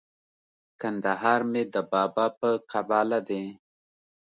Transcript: کندهار مي د بابا په قباله دی